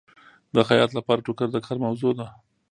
د خیاط لپاره ټوکر د کار موضوع ده.